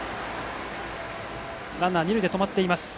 ランナー、二塁で止まっています。